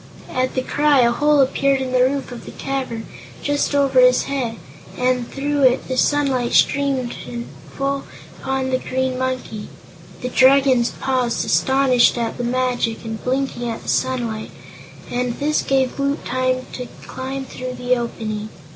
At the cry a hole appeared in the roof of the cavern, just over his head, and through it the sunlight streamed full upon the Green Monkey. The Dragons paused, astonished at the magic and blinking at the sunlight, and this gave Woot time to climb through the opening.